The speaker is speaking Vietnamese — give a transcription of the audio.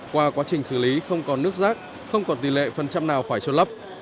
qua quá trình xử lý không còn nước rác không còn tỷ lệ phần trăm nào phải trôn lấp